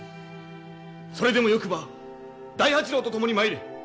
それでもよくば大八郎と共に参れ！